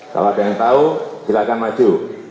kalau ada yang tahu silakan maju